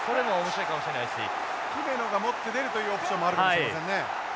姫野が持って出るというオプションもあるかもしれませんね。